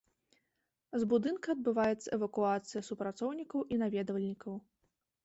З будынка адбываецца эвакуацыя супрацоўнікаў і наведвальнікаў.